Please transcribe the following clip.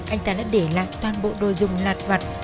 anh ta đã để lại toàn bộ đôi dung lạt vặt